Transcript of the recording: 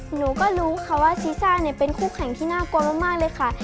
หนูก็รู้ค่ะว่าซีซ่าเนี่ยเป็นคู่แข่งที่น่ากลัวมากเลยค่ะ